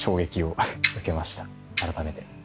改めて。